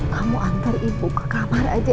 kamu antar ibu ke kamar aja